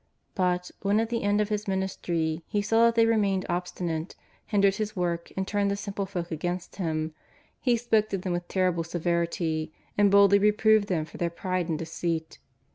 But, when at the end of His ministry He saw that they remained obstinate, hindered His work, and turned the simple folk against Him, He spoke to them with terrible severity, and boldly reproved them for their pride and deceit.